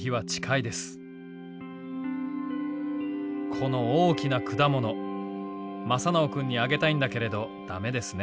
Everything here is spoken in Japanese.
「この大きなくだもの正直くんにあげたいんだけれどだめですね。